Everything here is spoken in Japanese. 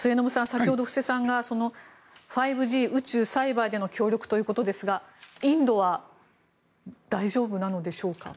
先ほど布施さんが５Ｇ、宇宙、サイバーでの協力ということですがインドは大丈夫なのでしょうか。